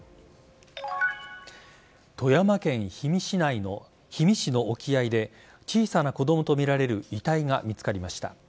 富山県氷見市の沖合で小さな子供とみられる遺体が見つかりました。